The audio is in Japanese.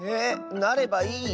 なればいい？